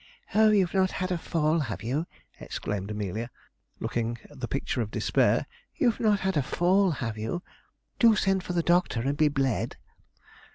'Oh! you've not had a fall, have you?' exclaimed Amelia, looking the picture of despair; 'you've not had a fall, have you? Do send for the doctor, and be bled.'